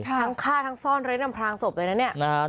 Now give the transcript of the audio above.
ทั้งฆ่าทั้งซ่อนเร้นอำพลางศพเลยนะเนี่ย